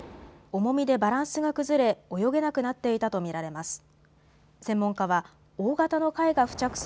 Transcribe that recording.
重みでバランスが崩れ泳げなくなっていたと見られます。